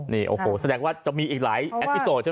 นี่โอ้โหแสดงว่าจะมีอีกหลายแอปพิโซใช่ไหม